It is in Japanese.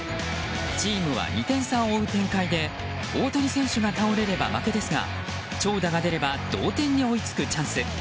チームは２点差を追う展開で大谷選手が倒れれば負けですが長打が出れば同点に追いつくチャンス。